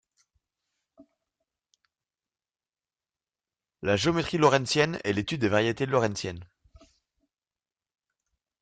La géométrie lorentzienne est l'étude des variétés lorentziennes.